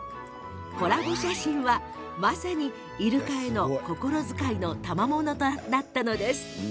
コラボ写真はまさにイルカへの心遣いのたまものとなったのです。